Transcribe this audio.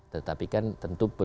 tetapi kan tentu